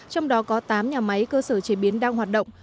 trong đó có tám nhà máy cơ sở chế biến đang hoạt động